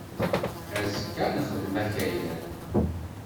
Azekka ad nexdem akayad.